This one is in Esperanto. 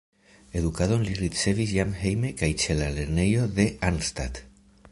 Edukadon li ricevis jam hejme kaj ĉe la lernejo de Arnstadt.